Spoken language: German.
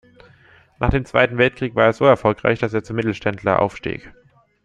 Nach dem Zweiten Weltkrieg war er so erfolgreich, dass er zum Mittelständler aufstieg.